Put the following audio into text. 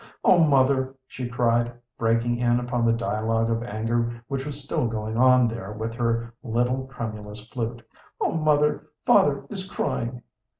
"Oh, mother," she cried, breaking in upon the dialogue of anger which was still going on there with her little tremulous flute "oh, mother, father is crying!"